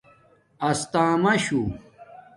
استݳماشُو